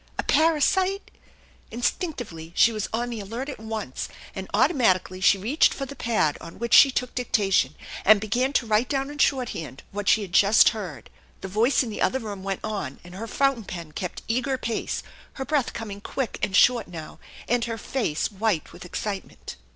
A parasite? Instinctively she was on the alert at once, and< automatically she reached for the pad on which she took dictation and began to write down in shorthand what she had just heard. The voice in the other room went on and her fountain pen kept eager pace, her breath coming quick and short now, and her face white with excitement.